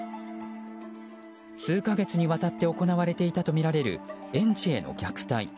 数か月にわたって行われていたとみられる園児への虐待。